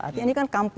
artinya ini kan kampus